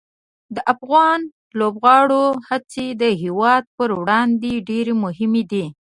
د افغان لوبغاړو هڅې د هېواد پر وړاندې ډېره مهمه دي.